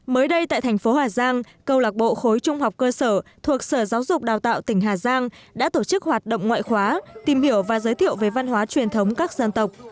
mới đây tại thành phố hà giang câu lạc bộ khối trung học cơ sở thuộc sở giáo dục đào tạo tỉnh hà giang đã tổ chức hoạt động ngoại khóa tìm hiểu và giới thiệu về văn hóa truyền thống các dân tộc